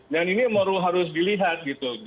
dan ini harus dilihat